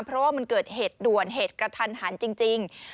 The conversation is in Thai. เพราะว่ามันเกิดเหตุด่วนเหตุกระทันหันจริง